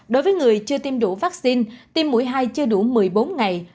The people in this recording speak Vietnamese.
đối với người chưa tiêm đủ vaccine tiêm mũi hai chưa đủ một mươi bốn ngày